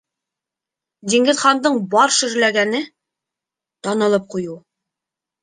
Диңгеҙхандың бар шөрләгәне - танылып ҡуйыу.